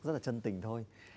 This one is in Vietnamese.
rất là chân tình thôi